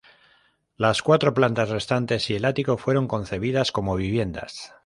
Las cuatro plantas restantes y el ático fueron concebidas como viviendas.